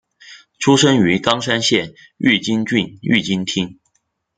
出身于冈山县御津郡御津町。